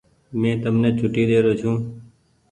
مين تمني ڇوٽي ڏيرو ڇو۔